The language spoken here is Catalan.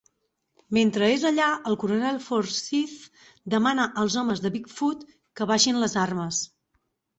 Mentre és allà, el coronel Forsyth demana als homes de Big Foot que baixin les armes.